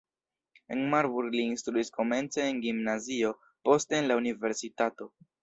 En Marburg li instruis komence en gimnazio, poste en la universitato.